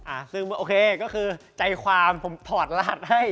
อ่าซึ่งโอเคก็คือใจความผมถอดรัดให้